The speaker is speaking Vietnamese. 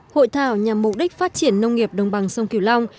hội thảo nhằm mục đích phát triển nông nghiệp đồng bằng sông kiều long